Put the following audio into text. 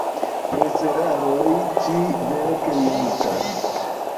Preseraroj ĉi-verke multas.